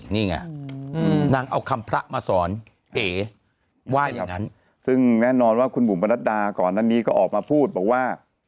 นี่ไงนางเอาคำพระมาสอนเอว่าอย่างนั้นซึ่งแน่นอนว่าคุณบุ๋มประนัดดาก่อนนั้นนี้ก็ออกมาพูดบอกว่า